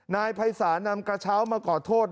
นายภัยศาลนำกระเช้ามาขอโทษ